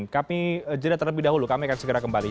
kami jeda terlebih dahulu kami akan segera kembali